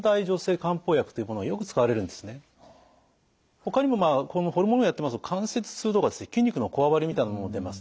ほかにもまあホルモン療法やってますと関節痛とか筋肉のこわばりみたいなものも出ます。